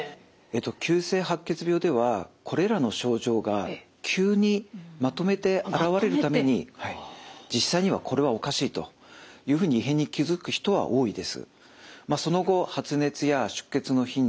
急性白血病ではこれらの症状が急にまとめて現れるために実際にはこれはおかしいというふうに異変に気付く人は多いです。